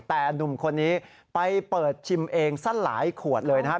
แต่หนุ่มคนนี้ไปเปิดชิมเองสักหลายขวดเลยนะครับ